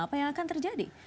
apa yang akan terjadi